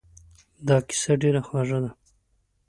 دا کیسه ډېره خوږه ده.